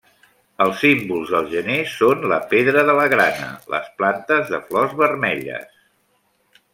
Els símbols del gener són la pedra de la grana, les plantes de flors vermelles.